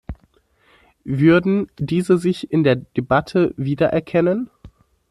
Würden diese sich in der Debatte wiedererkennen?